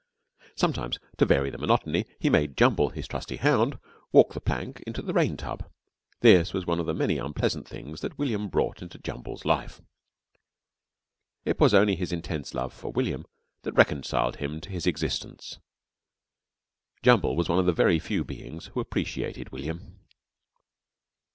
Sometimes, to vary the monotony, he made Jumble, his trusty hound, walk the plank into the rain tub. This was one of the many unpleasant things that William brought into Jumble's life. It was only his intense love for William that reconciled him to his existence. Jumble was one of the very few beings who appreciated William.